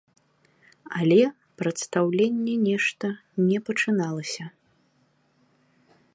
Але прадстаўленне нешта не пачыналася.